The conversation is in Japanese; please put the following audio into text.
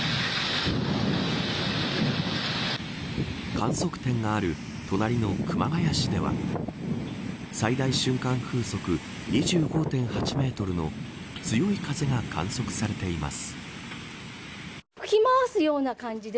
観測点がある隣の熊谷市では最大瞬間風速２５．８メートルの強い風が観測されています。